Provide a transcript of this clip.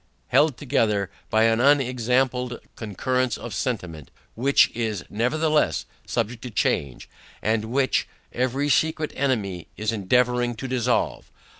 Held together by an unexampled concurrence of sentiment, which, is nevertheless subject to change, and which, every secret enemy is endeavouring to dissolve.